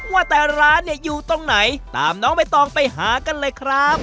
ว่าแต่ร้านเนี่ยอยู่ตรงไหนตามน้องใบตองไปหากันเลยครับ